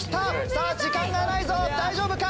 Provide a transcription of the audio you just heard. さぁ時間がないぞ大丈夫か？